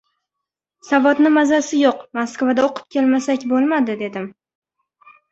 — Savodni mazasi yo‘q, Moskvada o‘qib kelmasak bo‘lmadi, — dedim.